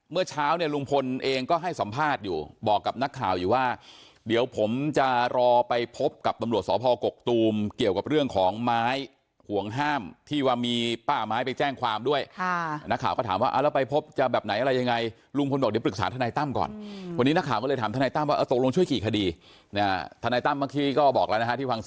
เมื่อเช้าเนี่ยลุงพลเองก็ให้สัมภาษณ์อยู่บอกกับนักข่าวอยู่ว่าเดี๋ยวผมจะรอไปพบกับตำรวจสพกกตูมเกี่ยวกับเรื่องของไม้ห่วงห้ามที่ว่ามีป้าไม้ไปแจ้งความด้วยค่ะนักข่าวก็ถามว่าเอาแล้วไปพบจะแบบไหนอะไรยังไงลุงพลบอกเดี๋ยวปรึกษาทนายตั้มก่อนวันนี้นักข่าวก็เลยถามทนายตั้มว่าตกลงช่วยกี่คดีทนายตั้มเมื่อกี้ก็บอกแล้วนะฮะที่ฟัง